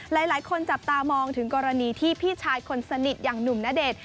หลายคนจับตามองถึงกรณีที่พี่ชายคนสนิทอย่างหนุ่มณเดชน์